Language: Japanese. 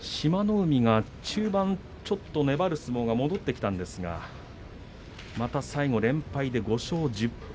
海が中盤、ちょっと粘る相撲が戻ってきたんですがまた最後、連敗で５勝１０敗